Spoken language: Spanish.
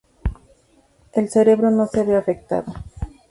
El cerebro no se ve afectado.